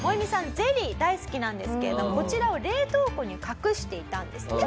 ゼリー大好きなんですけれどもこちらを冷凍庫に隠していたんですね。